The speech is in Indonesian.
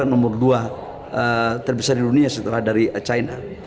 ini adalah investasi yang terbesar di dunia setelah dari china